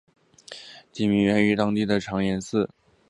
地名源自于当地的长延寺。